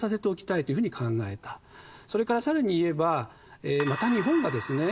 それから更に言えばまた日本がですね